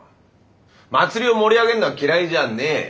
祭りを盛り上げんのは嫌いじゃねえ。